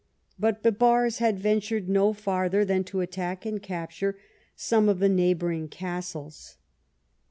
But Bibars had ventured no farther than to attack and capture some of the neighbouring castles.